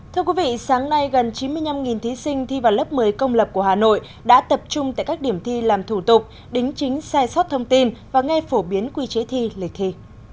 thưa quý vị sáng nay gần chín mươi năm thí sinh thi vào lớp một mươi công lập của hà nội đã tập trung tại các điểm thi làm thủ tục đính chính sai sót thông tin và nghe phổ biến quy chế thi lịch thi